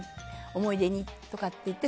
思い出にとかって言って。